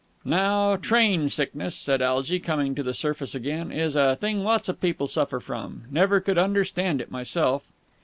"Now, train sickness," said Algy, coming to the surface again, "is a thing lots of people suffer from. Never could understand it myself."